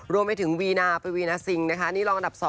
รวมไปถึงวีนาปวีนาซิงนะคะนี่รองอันดับ๒